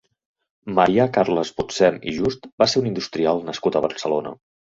Marià-Carles Butsems i Just va ser un industrial nascut a Barcelona.